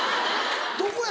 どこや？